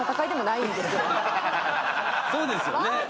そうですよね